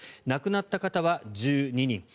亡くなった方は１１人。